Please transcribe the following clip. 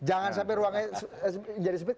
jangan sampai ruangnya jadi sempit